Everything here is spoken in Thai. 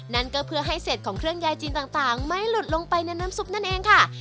นั่นก็เพื่อให้เศษของเครื่องยายจีนต่างไม่หลุดลงไปในน้ำซุปนั่นเองค่ะ